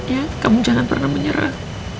ya kamu jangan pernah menyerah